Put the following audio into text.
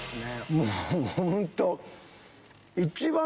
もうホント。